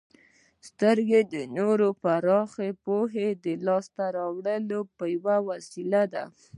•سترګې د نور پراخه پوهه د ترلاسه کولو یوه وسیله ده.